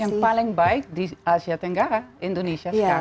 yang paling baik di asia tenggara indonesia sekarang